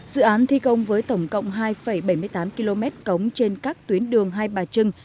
dự án thi công với tổng cộng hai bảy mươi tám km cống trên các tuyến đường hai bà trưng